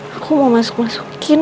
aku mau masuk masukin